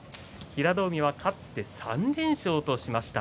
平戸海が勝って３連勝としました。